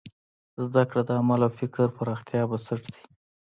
زدهکړه د عقل او فکر پراختیا بنسټ دی.